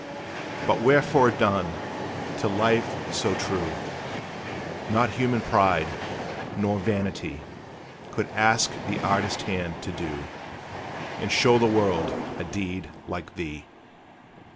But wherefore done, to life so true? Not human pride, nor vanity Could ask the artist hand to do, And show the world a deed like thee.